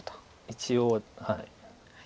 一応はい。